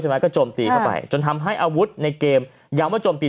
ก็โจมตีเข้าไปจนทำให้อาวุธในเกมย้ำว่าโจมตี